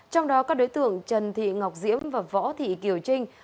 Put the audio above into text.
trong đó các đối tượng trần thị ngọc diễm và võ thị kiều trinh